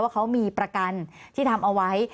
เขามีประกันที่ทำเอาไว้